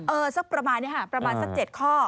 สักประมาณนี้ค่ะประมาณสัก๗ข้อ